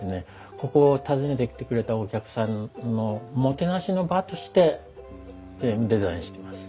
ここを訪ねてきてくれたお客さんのもてなしの場としてデザインしてます。